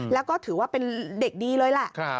แล้วก็ถือว่าเป็นเด็กดีเลยแหละ